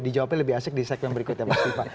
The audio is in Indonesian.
dijawabnya lebih asik di segmen berikut ya pak stifan